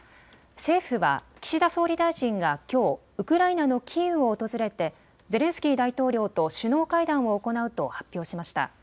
政府は岸田総理大臣がきょう、ウクライナのキーウを訪れてゼレンスキー大統領と首脳会談を行うと発表しました。